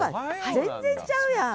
全然ちゃうやん。